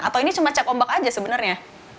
atau ini cuma cak ombak aja sebenarnya